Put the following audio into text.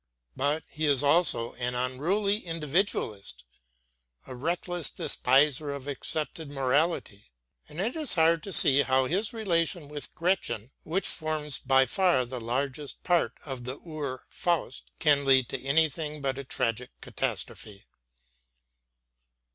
But he is also an unruly individualist, a reckless despiser of accepted morality; and it is hard to see how his relation with Gretchen, which forms by far the largest part of the Ur Faust, can lead to anything but a tragic catastrophe.